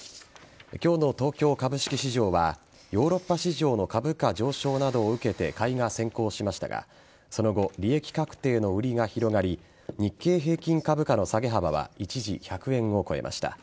今日の東京株式市場はヨーロッパ市場の株価上昇などを受けて買いが先行しましたがその後、利益確定の売りが広がり日経平均株価の下げ幅は一時１００円を超えました。